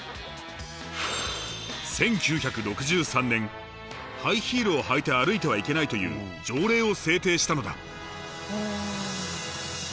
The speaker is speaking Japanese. １９６３年ハイヒールを履いて歩いてはいけないという条例を制定したのだ。